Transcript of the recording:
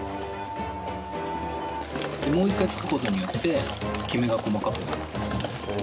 もう一回つく事によってきめが細かくなります。